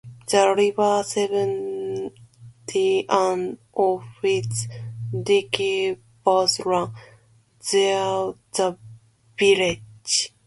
The River Severn and Offa's Dyke both run through the village.